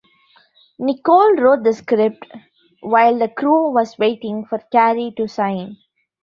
Niccol rewrote the script while the crew was waiting for Carrey to sign.